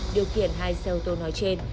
điều kiện hai xe ô tô nói trên